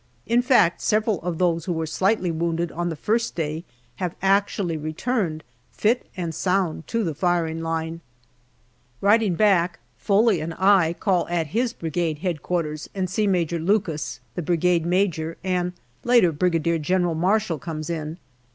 In fact, several of those who were slightly wounded on the first day have actually returned fit and sound to the firing line. Riding back, Foley and I call at his Brigade H.Q. and see Major Lucas, the Brigade Major, and later Brigadier General Marshall comes in.